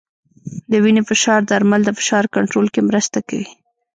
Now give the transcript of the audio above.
د وینې فشار درمل د فشار کنټرول کې مرسته کوي.